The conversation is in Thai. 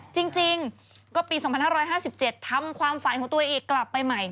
จริงก็ปี๒๕๕๗ทำความฝันของตัวเองกลับไปใหม่